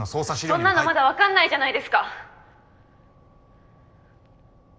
そんなのまだわかんないじゃないですか！